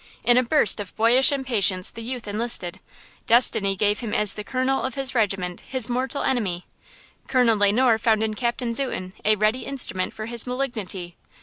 In a burst of boyish impatience the youth enlisted. Destiny gave him as the Colonel of his regiment his mortal enemy. Colonel Le Noir found in Captain Zuten a ready instrument for his malignity.